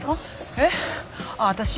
えっあっ私？